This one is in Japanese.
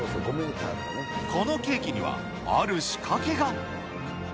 このケーキにはある仕掛けが。